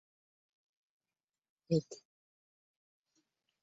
Omulangira Daudi Namugala Mawanda Cwa ye yali omugenyi omukulu.